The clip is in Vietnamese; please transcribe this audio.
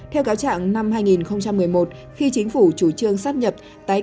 theo cáo trạng năm hai nghìn một mươi một khi chính phủ chủ trương xác nhập